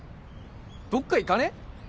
どっか行かねえ？